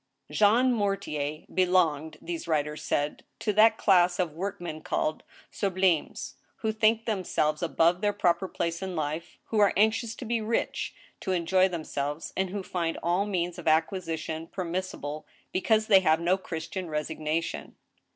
Jean Mortier belonged, these writers said, to that class of work men called sublimes, who think themselves above their proper place in hfe, who are anxious to be rich, to enjoy themselves, and who find all means of acquisition permissible because they have no Christian resignation.